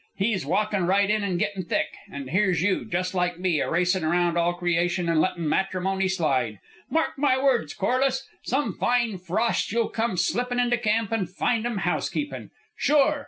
He's walkin' right in and gettin' thick; and here's you, just like me, a racin' round all creation and lettin' matrimony slide. Mark my words, Corliss! Some fine frost you'll come slippin' into camp and find 'em housekeepin'. Sure!